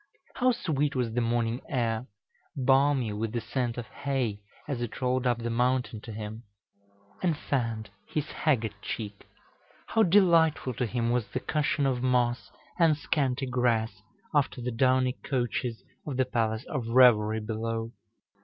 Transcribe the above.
How sweet was the morning air, balmy with the scent of hay, as it rolled up the mountain to him, and fanned his haggard cheek! How delightful to him was the cushion of moss and scanty grass after the downy couches of the palace of revelry below!